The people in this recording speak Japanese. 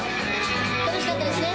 楽しかったですね？